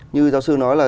như giáo sư nói là